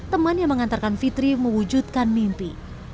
teman yang mengantarkan fitri mewujudkan mimpi